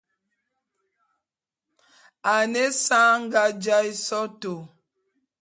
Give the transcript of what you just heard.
Ane ésa anga jaé sotô.